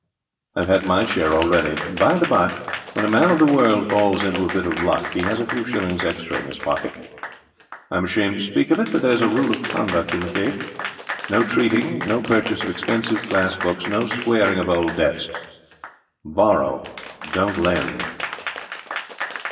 I've had my share already. By the bye, when a man of the world falls into a bit of luck, has a few shillings extra in his pocket—I'm ashamed to speak of it, but there's a rule of conduct in the case. No treating, no purchase of expensive class books, no squaring of old debts; borrow, don't lend.